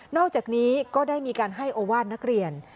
อกจากนี้ก็ได้มีการให้โอวาสนักเรียน